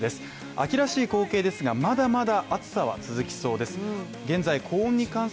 秋らしい光景ですが、まだまだ暑さは続きそうです。